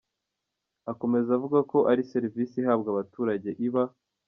Akomeza avuga ko ari servisi ihabwa abaturage iba .